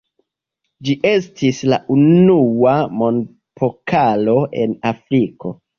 Ĝi estis la unua mondpokalo en Afriko.